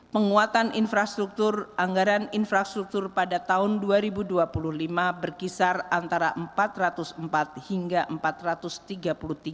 pengembangan infrastruktur yang memadai diharapkan akan meningkatkan kapasitas produksi